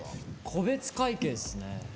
個別会計ですね。